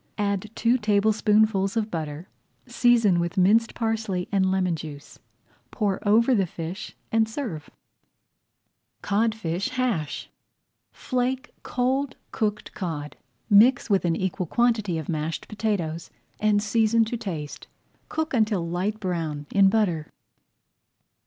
Add two tablespoonfuls of butter, season with minced parsley and lemon juice, pour over the fish, and serve. [Page 109] CODFISH HASH Flake cold cooked cod, mix with an equal quantity of mashed potatoes, and season to taste. Cook until light brown in butter.